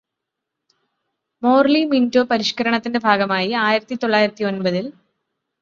Morley-Minto പരിഷ്കരണത്തിന്റെ ഭാഗമായി ആയിരത്തി തൊള്ളായിരത്തി ഒമ്പതിൽ